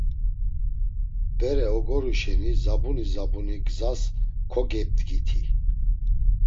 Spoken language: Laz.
Bere ogoru şeni zabuni zabuni gzas kogebdgiti.